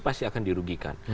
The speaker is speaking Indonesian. pasti akan dirugikan